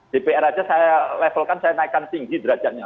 dpr aja saya levelkan saya naikkan tinggi derajatnya